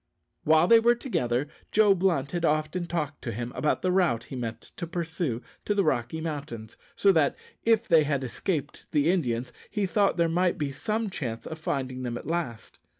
While they were together Joe Blunt had often talked to him about the route he meant to pursue to the Rocky Mountains, so that, if they had escaped the Indians, he thought there might be some chance of finding them at last.